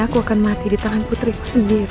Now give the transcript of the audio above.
aku akan mati di tangan putri ku sendiri